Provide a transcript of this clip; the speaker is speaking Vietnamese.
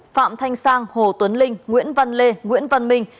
phạm thanh sang hồ tuấn linh nguyễn văn lê nguyễn văn minh